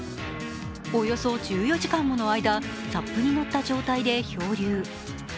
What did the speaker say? およそ１４時間もの間、ＳＵＰに乗った状態で漂流。